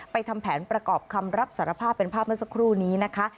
ทำแผนประกอบคำรับสารภาพเป็นภาพเมื่อสักครู่นี้นะคะ